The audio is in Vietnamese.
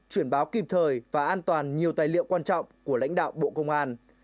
chuyển báo kịp thời và an toàn nhiều tài liệu quan trọng của lãnh đạo bộ công an